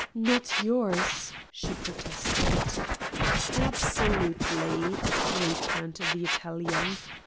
"Not yours!" she protested. "Absolutely!" returned the Italian.